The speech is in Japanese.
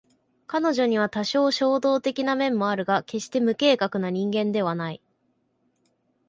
彼女には多少衝動的な面もあるが決して無計画な人間ではない